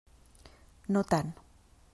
No tant.